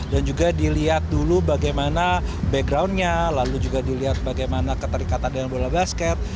dan juga dilihat dulu bagaimana backgroundnya lalu juga dilihat bagaimana keterikatan dengan bola basket